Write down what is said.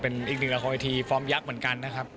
เป็นอีกหนึ่งละครเวทีฟอร์มยักษ์เหมือนกันนะครับ